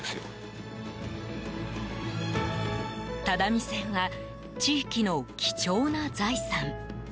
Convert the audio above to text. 只見線は地域の貴重な財産。